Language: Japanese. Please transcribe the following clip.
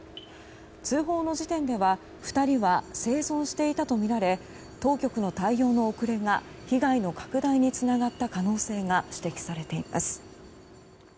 通報の時点では２人は生存していたとみられ当局の対応の遅れが被害の拡大につながった可能性が指摘されています。